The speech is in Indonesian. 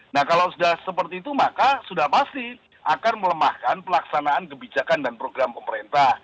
nah kalau sudah seperti itu maka sudah pasti akan melemahkan pelaksanaan kebijakan dan program pemerintah